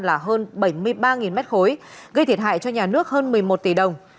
là hơn bảy mươi ba m ba gây thiệt hại cho nhà nước hơn một mươi một tỷ đồng